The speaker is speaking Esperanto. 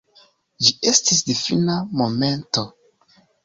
Ĝi estis difina momento.